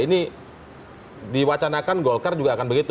ini diwacanakan golkar juga akan begitu